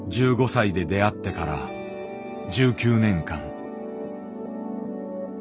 １５歳で出会ってから１９年間。